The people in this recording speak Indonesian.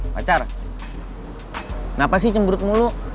pacar kenapa sih cemburu kemulu